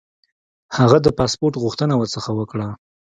هغه د پاسپوټ غوښتنه ورڅخه وکړه.